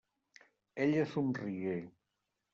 Ella somrigué.